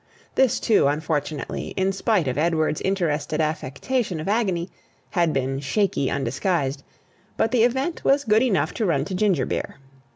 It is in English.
This one, unfortunately in spite of Edward's interested affectation of agony had been shaky undisguised; but the event was good enough to run to ginger beer.